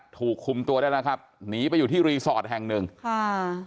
ถูกคุมตัวได้แล้วครับหนีไปอยู่ที่รีสอร์ทแห่งหนึ่งค่ะ